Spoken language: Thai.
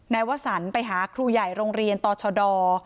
วสันไปหาครูใหญ่โรงเรียนต่อชด